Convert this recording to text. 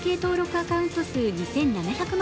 アカウント数２７００万